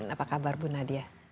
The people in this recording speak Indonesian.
apa kabar bu nadia